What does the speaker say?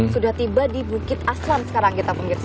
sudah tiba di bukit aslan sekarang kita pemirsa